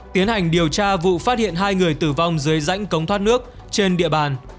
tiến hành điều tra vụ phát hiện hai người tử vong dưới rãnh cống thoát nước trên địa bàn